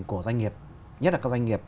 của doanh nghiệp nhất là các doanh nghiệp